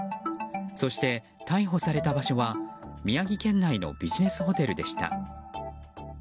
そして、逮捕された場所は宮城県内のビジネスホテルでした。